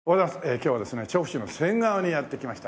今日は調布市の仙川にやって来ました。